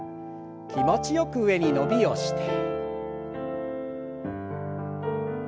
気持ちよく上に伸びをして。